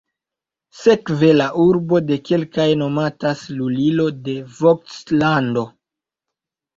Sekve la urbo de kelkaj nomatas lulilo de Vogt-lando.